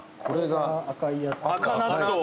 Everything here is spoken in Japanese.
これが赤いやつ。